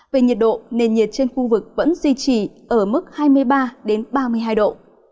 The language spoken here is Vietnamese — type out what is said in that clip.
về nhiệt độ nền nhiệt trên khu vực vẫn duy trì ở mức hai mươi ba ba mươi hai độ